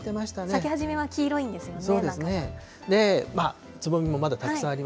咲き始めは黄色いんですよね。